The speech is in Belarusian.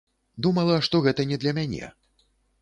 Думала, што гэта не для мяне.